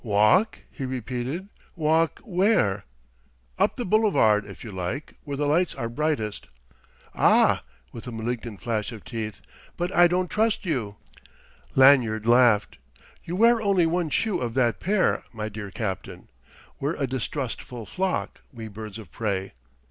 "Walk?" he repeated, "walk where?" "Up the boulevard, if you like where the lights are brightest." "Ah!" with a malignant flash of teeth "but I don't trust you." Lanyard laughed: "You wear only one shoe of that pair, my dear captain! We're a distrustful flock, we birds of prey.